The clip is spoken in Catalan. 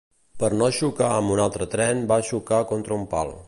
Per no xocar amb un altre tren, va xocar contra un pal.